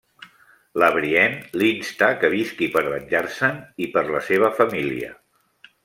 La Brienne l'insta que visqui per venjar-se'n i per la seva família.